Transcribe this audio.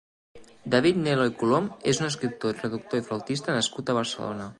David Nel·lo i Colom és un escriptor, traductor i flautista nascut a Barcelona.